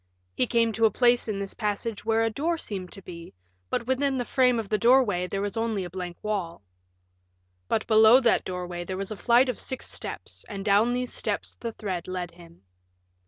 He came to a place in this passage where a door seemed to be, but within the frame of the doorway there was only a blank wall. But below that doorway there was a flight of six steps, and down these steps the thread led him.